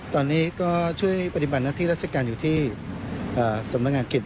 ตอนนี้ก็ช่วยปฏิบัติหน้าที่ราชการอยู่ที่สำนักงานเขต